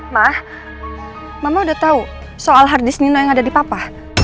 mah mama udah tahu soal hardis nino yang ada di papa